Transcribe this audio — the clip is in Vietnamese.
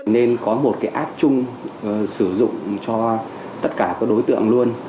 nên có một cái app chung sử dụng cho tất cả các đối tượng luôn